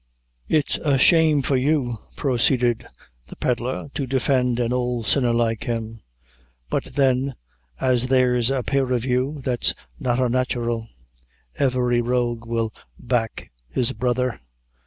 "It's a shame for you," proceeded the pedlar, "to defend an' ould sinner like him; but then as there's a pair of you, that's not unnatural; every rogue will back his brother.